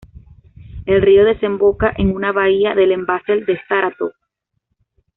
El río desemboca en una bahía del embalse de Sarátov.